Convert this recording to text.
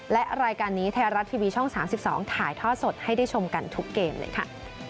และรายการนี้ไทยรัฐทีวีช่อง๓๒ถ่ายทอดสดให้ได้ชมกันทุกเกมเลยค่ะ